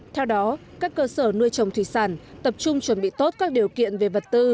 theo đó các cơ sở nuôi trồng thủy sản tập trung chuẩn bị tốt các điều kiện về vật tư